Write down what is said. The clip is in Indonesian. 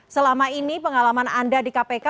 selama ini pengalaman anda di kpk